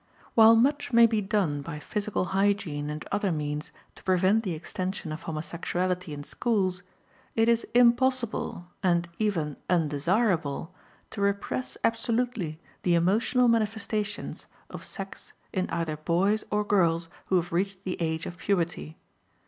While much may be done by physical hygiene and other means to prevent the extension of homosexuality in schools, it is impossible, and even undesirable, to repress absolutely the emotional manifestations of sex in either boys or girls who have reached the age of puberty.